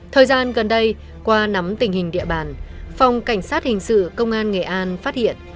thời gian gần đây qua nắm tình hình địa bàn phòng cảnh sát hình sự công an nghệ an phát hiện